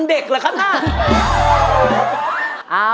พี่หอยคิดถึงอัปเดตมากเลยนะพี่หอยบอก